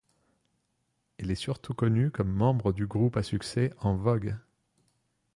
Elle est surtout connue comme membre du groupe à succès En Vogue.